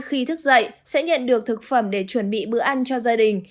khi thức dậy sẽ nhận được thực phẩm để chuẩn bị bữa ăn cho gia đình